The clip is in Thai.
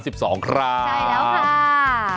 ใช่แล้วค่ะ